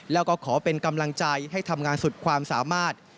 แล้วก็ขอเป็นกำลังใจให้ทำงานสุดความสามารถ